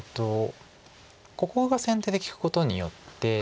ここが先手で利くことによって。